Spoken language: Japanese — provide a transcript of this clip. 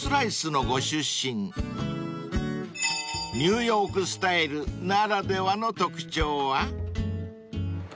［ニューヨークスタイルならではの特徴は？］